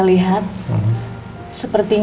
gak ada istri ni